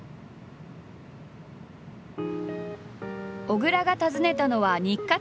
小倉が訪ねたのは日活